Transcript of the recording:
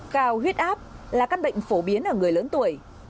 cao huyết áp là căn bệnh phổ biến ở người lớn tuổi